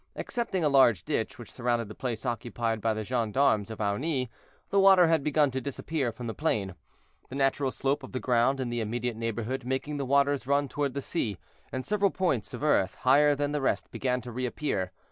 Excepting a large ditch, which surrounded the place occupied by the gendarmes of Aunis, the water had begun to disappear from the plain, the natural slope of the ground in the immediate neighborhood making the waters run toward the sea, and several points of earth, higher than the rest, began to reappear.